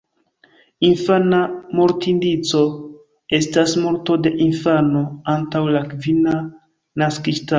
Infana mortindico estas morto de infano antaŭ la kvina naskiĝtago.